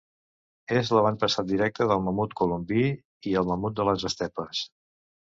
És l'avantpassat directe del mamut colombí i el mamut de les estepes.